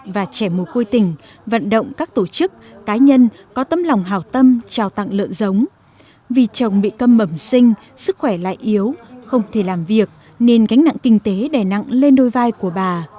vì chồng bị cầm mẩm sinh sức khỏe lại yếu không thể làm việc nên gánh nặng kinh tế đè nặng lên đôi vai của bà